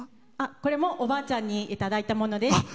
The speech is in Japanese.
これもおばあちゃんにいただいたものです。